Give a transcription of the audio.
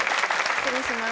失礼します。